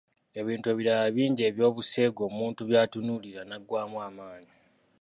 Ebitu ebirala bingi eby'obuseegu omuntu by'atunuulira naggwaamu amaanyi.